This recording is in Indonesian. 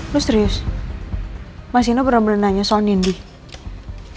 lo serius mas ino bener bener nanya soal nindy